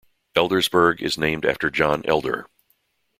Eldersburg is named after John Elder.